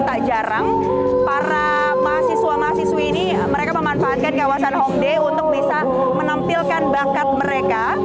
tak jarang para mahasiswa mahasiswi ini mereka memanfaatkan kawasan homeday untuk bisa menampilkan bakat mereka